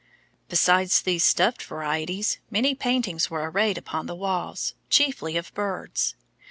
Besides these stuffed varieties, many paintings were arrayed upon the walls, chiefly of birds.